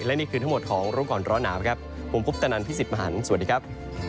และนี่คือทั้งหมดของรู้ก่อนร้อนหนาวครับผมพุทธนันพี่สิทธิ์มหันฯสวัสดีครับ